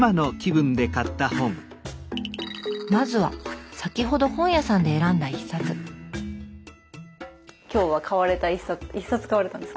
まずは先ほど本屋さんで選んだ一冊今日は買われた１冊１冊買われたんですか？